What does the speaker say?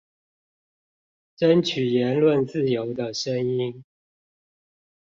爭取言論自由的聲音